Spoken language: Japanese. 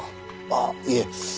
あっいえ。